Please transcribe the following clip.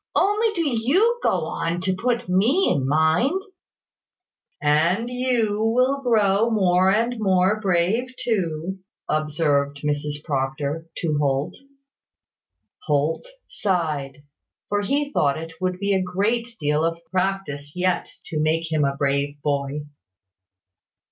"Only do you go on to put me in mind " "And you will grow more and more brave, too," observed Mrs Proctor to Holt. Holt sighed; for he thought it would take a great deal of practice yet to make him a brave boy.